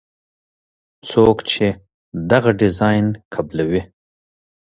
څوک چې دغه ډیزاین قبلوي.